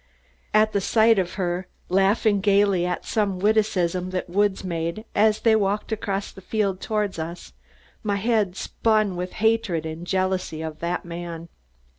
At the sight of her, laughing gaily at some witticism that Woods made as they walked across the field toward us, my head spun with hatred and jealousy of the man.